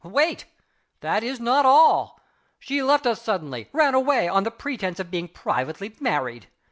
Wait! that is not all. She left us suddenly ran away on the pretense of being privately married.